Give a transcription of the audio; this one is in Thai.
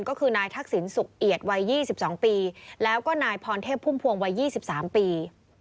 ก็คือนายทักษิณสุขเอียดวัย๒๒ปีแล้วก็นายพรเทพพุ่มพวงวัย๒๓ปี